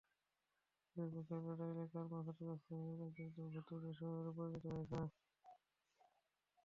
দুই পক্ষের লড়াইয়ে কারমা ক্ষতিগ্রস্ত হয়ে কার্যত ভুতুড়ে শহরে পরিণত হয়েছে।